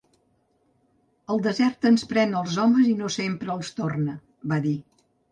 "El desert ens pren els homes i no sempre els torna", va dir.